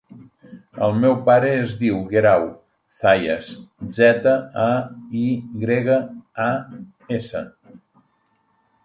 El meu pare es diu Guerau Zayas: zeta, a, i grega, a, essa.